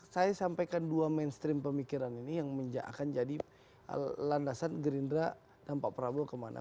saya sampaikan dua mainstream pemikiran ini yang akan jadi landasan gerindra dan pak prabowo kemana